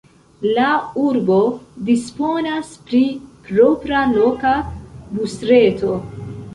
La urbo disponas pri propra loka busreto.